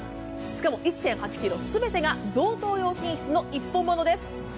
しかも１．８ｋｇ全てが贈答用品質の一本物です。